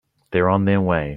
They're on their way.